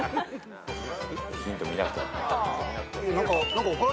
ヒント見なくて。